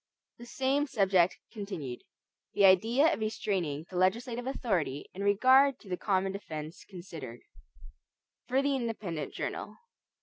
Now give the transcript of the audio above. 28 The Same Subject Continued (The Idea of Restraining the Legislative Authority in Regard to the Common Defense Considered) For the Independent Journal.